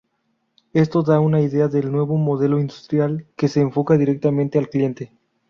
Esto da una idea del nuevo modelo industrial, que se enfoca directamente al cliente.